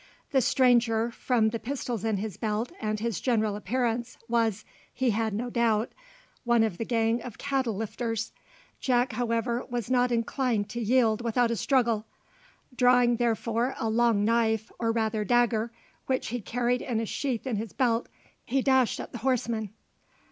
The stranger, from the pistols in his belt and his general appearance, was, he had no doubt, one of the gang of cattle lifters. Jack, however, was not inclined to yield without a struggle. Drawing therefore a long knife, or rather dagger, which he carried in a sheath in his belt, he dashed at the horseman.